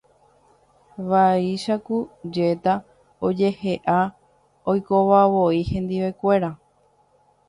Vaicha ku jéta ojeʼeha oikovavoi hendivekuéra.